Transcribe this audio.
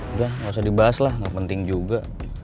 udah gak usah dibahas lah nggak penting juga